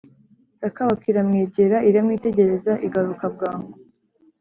» Sakabaka iramwegera, iramwitegereza, igaruka bwangu